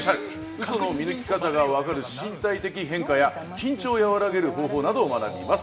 ウソの見抜き方がわかる身体的変化や緊張を和らげる方法などを学びます。